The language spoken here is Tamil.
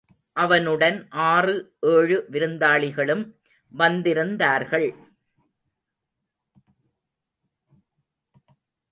அவனுடன் ஆறு ஏழு விருந்தாளிகளும் வந்திருந்தார்கள்.